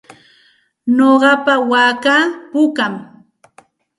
Nuqapa waakaa pukam.